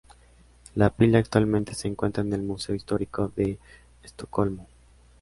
La pila actualmente se encuentra en el Museo histórico de Estocolmo.